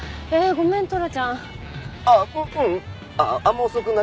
ごめんトラちゃん。